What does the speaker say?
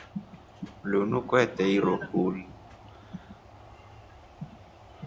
Lunu kwete iruhuL.